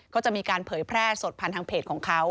ก็จะมีการเผยแพร่สดผ่านทางเพจของเขา